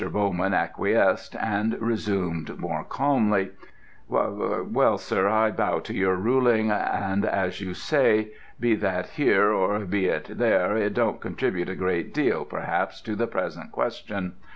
Bowman acquiesced, and resumed more calmly: "Well, sir, I bow to your ruling, and as you say, be that here or be it there, it don't contribute a great deal, perhaps, to the present question.